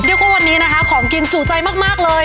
นี่ก็คือวันนี้นะคะของกินจู่ใจมากเลย